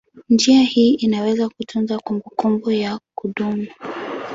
Njia hii inaweza kutunza kumbukumbu ya kudumu.